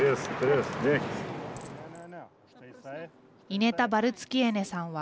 イネタ・バルツキエネさんは